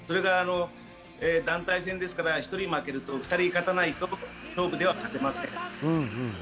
団体戦ですから、１人負けると２人勝たないと勝てません。